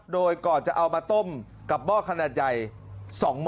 โดยก่อนจะเอามาต้มกับหม้อขนาดใหญ่๒ห้อ